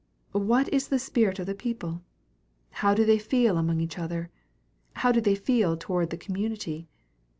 What is the spirit of the people? How do they feel among each other? How do they feel toward the community?